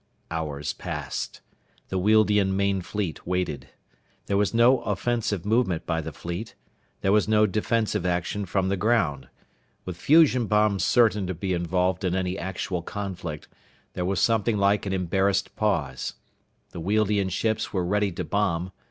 Hours passed. The Wealdian main fleet waited. There was no offensive movement by the fleet. There was no defensive action from the ground. With fusion bombs certain to be involved in any actual conflict, there was something like an embarrassed pause. The Wealdian ships were ready to bomb.